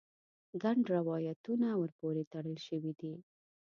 ګڼ روایتونه ور پورې تړل شوي دي.